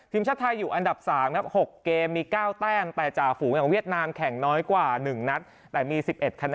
ทีมชาติไทยอยู่อันดับ๓ครับ๖เกมมี๙แต้มแต่จ่าฝูงอย่างเวียดนามแข่งน้อยกว่า๑นัดแต่มี๑๑คณะแ